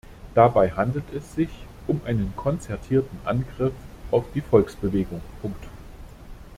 Dabei handelt es sich um einen konzertierten Angriff auf die Volksbewegung.